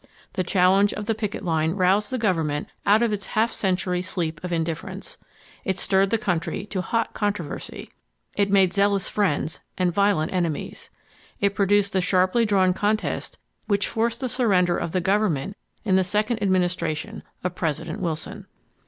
The challenge of the picket line roused the government out of its half century sleep of indifference. It stirred the country to hot controversy. It made zealous friends and violent enemies. It produced the sharply drawn contest which forced the surrender of the government in the second Administration of President Wilson.